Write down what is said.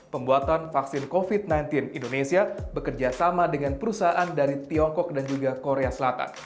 pembuatan vaksin covid sembilan belas indonesia bekerja sama dengan perusahaan dari tiongkok dan juga korea selatan